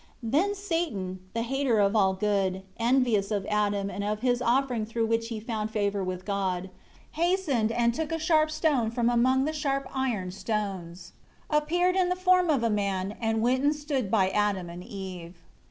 1 Then Satan, the hater of all good, envious of Adam and of his offering through which he found favor with God, hastened and took a sharp stone from among the sharp iron stones; appeared in the form of a man, and went and stood by Adam and Eve.